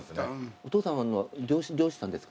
お父さんは漁師さんですか？